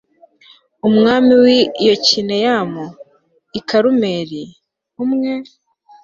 umwami w'i yokineyamu, i karumeli, umwe